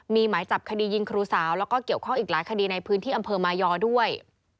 มีหมายจับคดียิงครูสาวแล้วก็เกี่ยวข้องอีกหลายคดีในพื้นที่อำเภอมายอด้วย